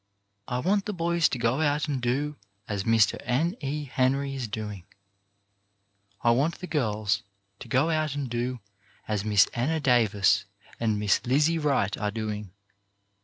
". I want the boys to go out and do as Mr. N. E. Henry is doing*; I want the girls to go out and do as Miss Anna Davis and Miss Lizzie Wright are doing.